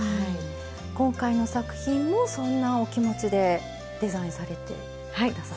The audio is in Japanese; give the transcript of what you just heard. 今回の作品もそんなお気持ちでデザインされて下さってる。